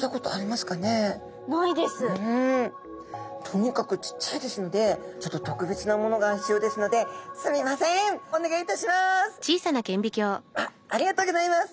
とにかくちっちゃいですのでちょっと特別なものが必要ですのであっありがとうギョざいます！